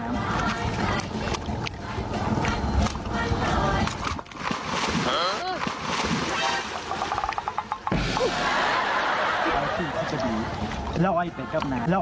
ไอซิ่งที่พะดีล้อยไปกับน้ำ